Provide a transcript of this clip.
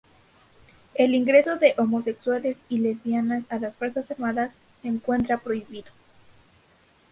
El ingreso de homosexuales y lesbianas a las fuerzas armadas se encuentra prohibido.